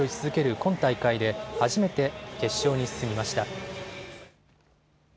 今大会で初めて決勝に進みました。